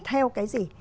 theo cái gì